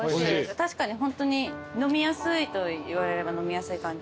確かにホントに飲みやすいと言われれば飲みやすい感じの。